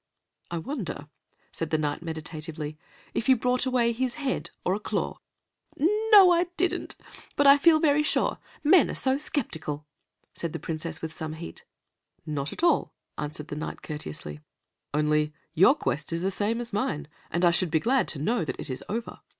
"I wonder," said the Knight meditatively, "if you brought away his head or a claw?" "No, I didn't; but I feel very sure. Men are so skeptical!" said the Princess, with some heat. "Not at all," answered the Knight courteously, "only your quest is the same as mine, and I should be glad to know that it is over.